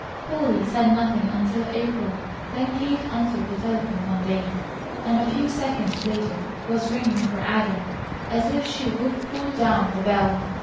Polly said nothing until April, then Kate answered the telephone one day and a few seconds later was ringing for Adam as if she would pull down the bell.